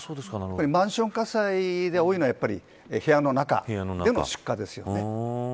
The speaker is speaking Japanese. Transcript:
マンション火災で多いのはやっぱり部屋の中での出火ですよね。